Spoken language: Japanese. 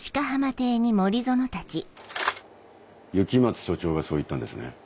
雪松署長がそう言ったんですね。